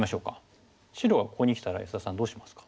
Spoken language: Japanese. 白がここにきたら安田さんどうしますか？